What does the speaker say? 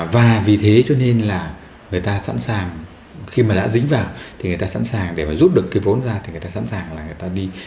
và vì thế cho nên là người ta sẵn sàng khi mà đã dính vào thì người ta sẵn sàng để mà giúp được cái vốn ra thì người ta sẵn sàng là người ta đi